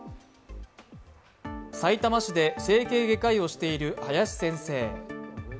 さいたま市で整形外科医をしている林先生。